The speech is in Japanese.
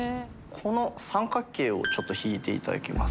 この三角形を引いていただきます。